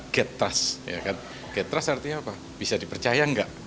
guest trust artinya apa bisa dipercaya nggak